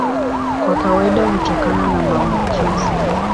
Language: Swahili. Kwa kawaida hutokana na maambukizi.